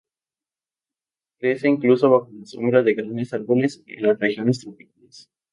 Crece incluso bajo la sombra de grandes árboles en las regiones tropicales.